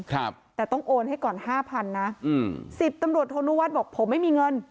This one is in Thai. ครับแต่ต้องโอนให้ก่อนห้าพันนะอืมสิบตำรวจโทนุวัฒน์บอกผมไม่มีเงิน